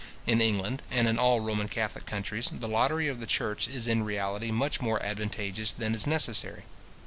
In England, and in all Roman catholic countries, the lottery of the church is in reality much more advantageous than is necessary.